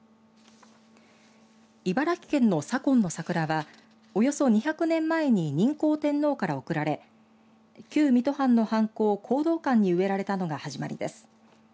茨城県の左近の桜はおよそ２００年前に仁孝天皇から贈られ旧水戸藩の藩校弘道館に植えられたのが始まりです。